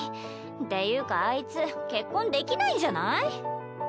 っていうかあいつ結婚できないんじゃない？